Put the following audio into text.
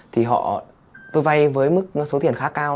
thì họ tôi vay với mức số tiền khá cao